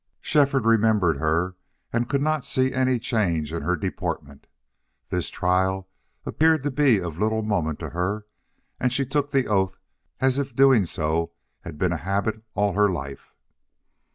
Shefford remembered her and could not see any change in her deportment. This trial appeared to be of little moment to her and she took the oath as if doing so had been a habit all her life.